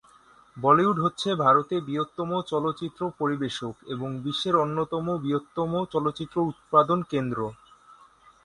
বলিউড হচ্ছে ভারতে বৃহত্তম চলচ্চিত্র পরিবেশক এবং বিশ্বের অন্যতম বৃহত্তম চলচ্চিত্র উৎপাদন কেন্দ্র।